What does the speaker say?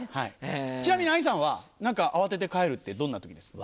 ちなみに兄さんは何か慌てて帰るってどんな時ですか？